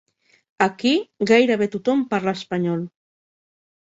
Aquí, gairebé tothom parla espanyol.